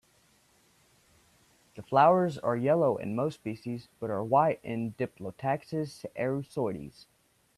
The flowers are yellow in most species, but are white in "Diplotaxis erucoides".